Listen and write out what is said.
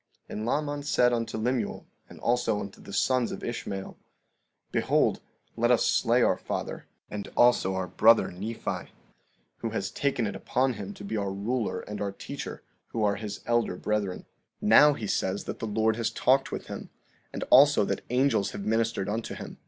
16:37 And Laman said unto Lemuel and also unto the sons of Ishmael: Behold, let us slay our father, and also our brother Nephi, who has taken it upon him to be our ruler and our teacher, who are his elder brethren. 16:38 Now, he says that the Lord has talked with him, and also that angels have ministered unto him.